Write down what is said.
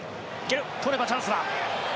取ればチャンスだ。